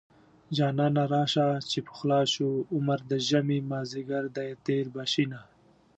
جانانه راشه چې پخلا شو عمر د ژمې مازديګر دی تېر به شينه